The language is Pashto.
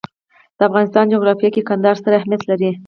د افغانستان جغرافیه کې کندهار ستر اهمیت لري.